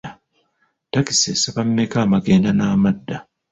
Ttakisi esaba mmeka amagenda n’amadda?